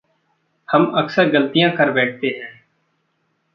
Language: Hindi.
हम अक्सर ग़लतियाँ कर बैठते हैं।